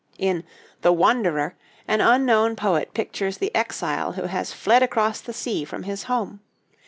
In the 'Wanderer,' an unknown poet pictures the exile who has fled across the sea from his home.